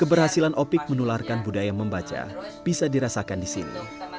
keberhasilan opik menularkan budaya membaca bisa dirasakan di sini